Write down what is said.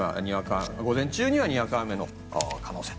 午前中には、にわか雨の可能性。